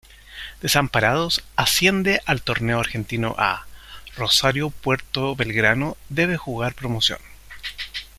Desamparados asciende al "Torneo Argentino A", Rosario Puerto Belgrano debe jugar promoción.